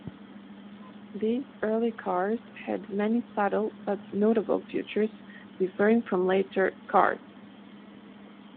These early cars had many subtle but notable features differing from later cars.